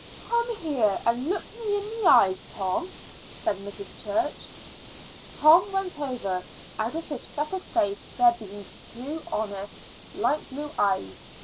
"Come here and look me in the eyes, Tom," said Mrs. Church. Tom went over. Out of his freckled face there beamed two honest light blue eyes.